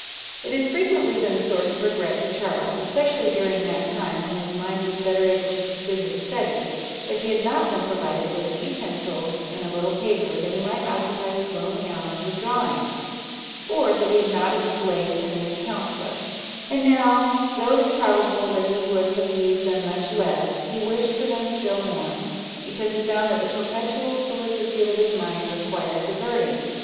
It had frequently been a source of regret to Charles, especially during that time when his mind was better able to pursue his studies, that he had not been provided with a few pencils, and a little paper, that he might occupy his lonely hours with drawing; or that he had not a slate and an account book; and now, though it is probable that he would have used them much less, he wished for them still more, because he found that the perpetual solicitude of his mind required diverting.